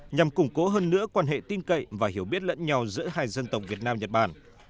nhằm củng cố hơn nữa quan hệ tin cậy và hiểu biết lẫn nhau giữa hai dân tộc việt nam nhật bản